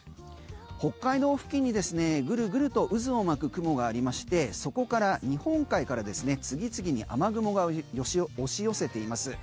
北海道付近にぐるぐると渦を巻く雲がありましてそこの日本海からですね次々に雨雲が押し寄せています。